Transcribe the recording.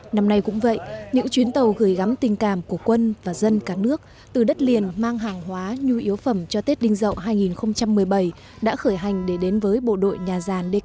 năm nay cũng vậy những chuyến tàu gửi gắm tình cảm của quân và dân cả nước từ đất liền mang hàng hóa nhu yếu phẩm cho tết đinh dậu hai nghìn một mươi bảy đã khởi hành để đến với bộ đội nhà giàn dk